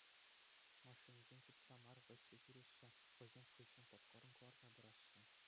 Машинисем чупса мар, вӗҫсе ҫӳреҫҫӗ, хӑйсем хыҫҫӑн попкорн кӑларса пыраҫҫӗ.